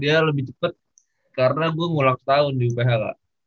dia lebih cepet karena gue ngulang tahun di uphl ya